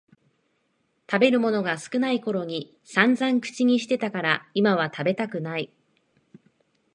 食べるものが少ないころにさんざん口にしてたから今は食べたくない